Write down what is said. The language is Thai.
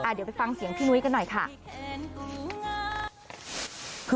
เดี๋ยวไปฟังเสียงพี่นุ้ยกันหน่อยค่ะ